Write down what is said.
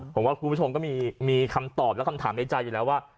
ผมว่าคุณผู้ชมก็มีคำตอบและคำถามในใจอยู่แล้วว่า